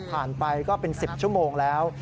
ไปก็เป็น๑๐ชั่วโมงแล้ว